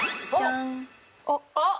あっ。